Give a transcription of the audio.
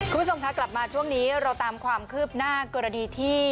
คุณผู้ชมคะกลับมาช่วงนี้เราตามความคืบหน้ากรณีที่